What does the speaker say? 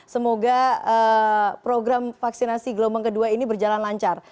semoga program vaksinasi gelombang kedua ini berjalan lancar